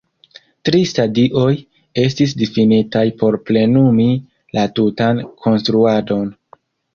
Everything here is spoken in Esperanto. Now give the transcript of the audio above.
Tri stadioj estis difinitaj por plenumi la tutan konstruadon.